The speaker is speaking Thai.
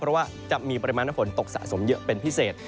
เพราะว่าจะมีปริมาณน้ำฝนตกสะสมเยอะเป็นพิเศษ